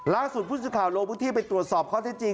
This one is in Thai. ล้างสุดผู้ช่วยข่าวโรงพิธีไปตรวจสอบเขาเท่าที่จริง